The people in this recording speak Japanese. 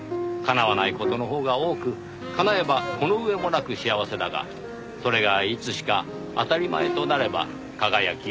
「叶わない事のほうが多く叶えばこの上もなく幸せだがそれがいつしか当たり前となれば輝きを失う」。